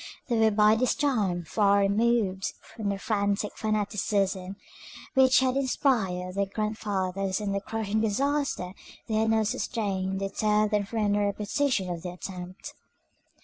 They were by this time far removed from the frantic fanaticism which had inspired their grandfathers, and the crushing disaster they had now sustained deterred them from any repetition of the attempt.